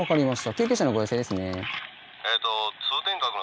救急車のご要請ですね。